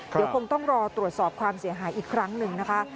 เดี๋ยวคงต้องรอตรวจสอบความเสียหายอีกครั้งหนึ่งนะคะ